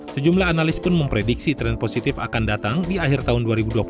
sejumlah analis pun memprediksi tren positif akan datang di akhir tahun dua ribu dua puluh satu